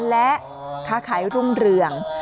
และค้าขายรุ่งเรือง